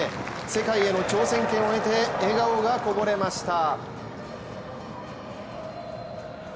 世界への挑戦権を得て笑顔がこぼれました。